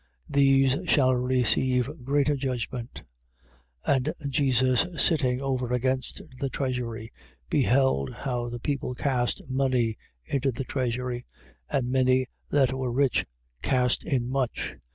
These shall receive greater judgment. 12:41. And Jesus sitting over against the treasury, beheld how the people cast money into the treasury. And many that were rich cast in much.